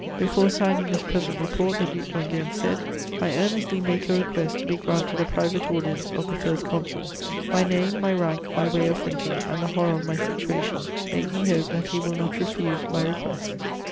"Before signing this present report the Duc d'Enghien said: "'I earnestly make a request to be granted a private audience of the First Consul. My name, my rank, my way of thinking and the horror of my situation make me hope that he will not refuse my request.'"